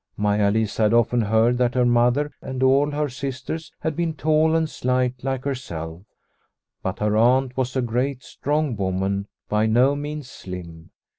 Maia Lisa had often heard that her mother and all her sisters had been tall and slight like herself, but her aunt was a great strong woman, by no means slim.